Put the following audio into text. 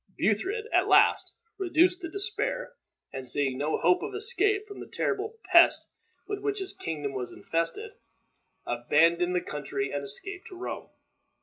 Buthred, at last, reduced to despair, and seeing no hope of escape from the terrible pest with which his kingdom was infested, abandoned the country and escaped to Rome.